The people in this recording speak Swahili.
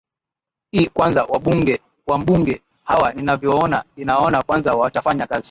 i kwanza wambunge hawa ninavyoona inaona kwanza watafanya kazi